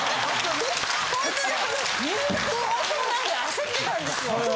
入学早々なんで焦ってたんですよ！